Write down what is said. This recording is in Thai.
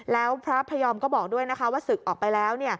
แล้วพระพยอมก็บอกด้วยนะคะว่าศึกออกไปแล้ว